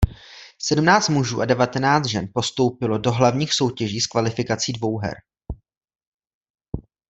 Sedmnáct mužů a devatenáct žen postoupilo do hlavních soutěží z kvalifikací dvouher.